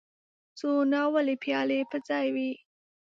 څو ناولې پيالې په ځای وې.